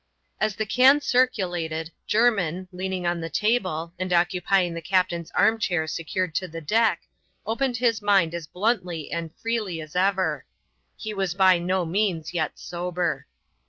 As the can circulated, Jermin, leaning on the table and occu pying the captain's arm chair secured to the deck, opened his mind as bluntly and freely as ever. He was by no means yet sober.